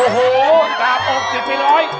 โอ้โหกราบออกติดไป๑๐๐